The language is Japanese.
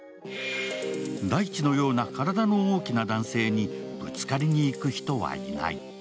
大地のような体の大きな男性にぶつかりにいく人はいない。